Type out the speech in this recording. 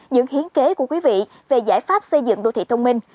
những hiến kế của quý vị về giải pháp xây dựng đô thị thông minh